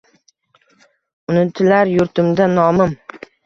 Unitilar yurtimda nomim.